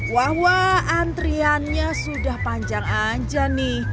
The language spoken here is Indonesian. wah wah antriannya sudah panjang aja nih